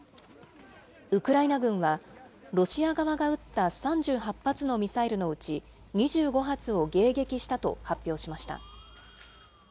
ウクライナ軍は、ロシア側が撃った３８発のミサイルのうち、２５発を迎撃したと発表しました。